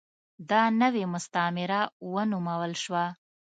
دا نوې مستعمره ونومول شوه.